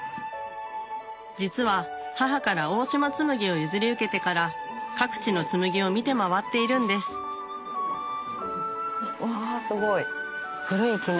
実は母から大島紬を譲り受けてから各地の紬を見て回っているんですうわすごい。